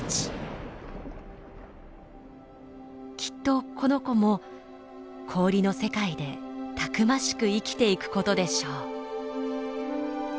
きっとこの子も氷の世界でたくましく生きていくことでしょう。